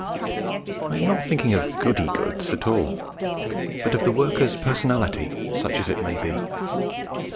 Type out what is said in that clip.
I am not thinking of 'goody' goods at all, but of the worker's personality such as it may be.